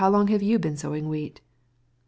"Have you been sowing wheat long?"